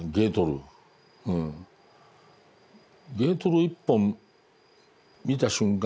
ゲートル１本見た瞬間